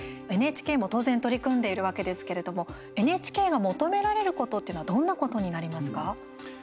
ＮＨＫも当然、取り組んでいるわけですけれどもＮＨＫが求められることっていうのはどんなことになりますか。